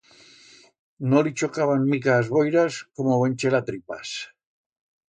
No li chocaban mica as boiras, como buen chelatripas.